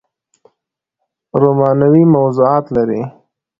رومانوي موضوعات لري